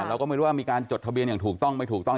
เราก็ไม่รู้ว่ามีการจดทะเบียนอย่างถูกต้องไม่ถูกต้อง